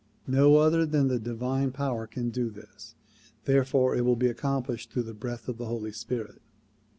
No other than the divine power can do this; therefore it will be accomplished through the breath of the Holy Spirit.